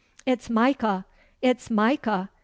'It's Micah! It's Micah!